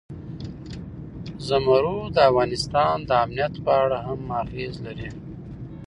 زمرد د افغانستان د امنیت په اړه هم اغېز لري.